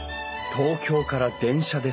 東京から電車で３時間。